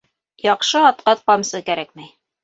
Яҡшы атҡа ҡамсы кәрәкмәй